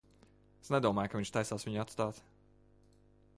Es nedomāju, ka viņš taisās viņu atstāt.